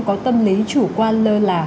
có tâm lý chủ quan lơ lả